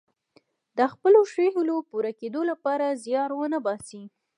د خپلو ښو هیلو پوره کیدو لپاره زیار ونه باسي.